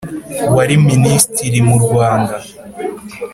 wari minisitiri mu Rwanda